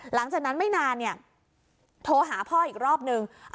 หลังจากนั้นไม่นานเนี่ยโทรหาพ่ออีกรอบนึง